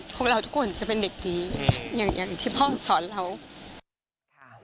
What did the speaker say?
พวกเราทุกคนจะเป็นเด็กดีอย่างที่พ่อสอนเรา